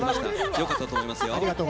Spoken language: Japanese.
良かったと思いますよ。